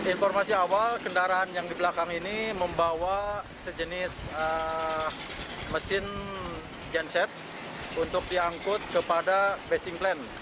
informasi awal kendaraan yang di belakang ini membawa sejenis mesin genset untuk diangkut kepada betching plan